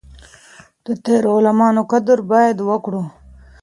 د تيرو عالمانو قدر بايد وکړو.